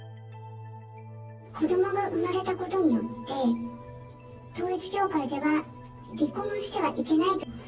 子どもが生まれたことによって、統一教会では離婚してはいけないと。